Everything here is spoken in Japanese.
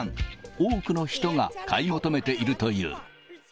多くの人が買い求めているという。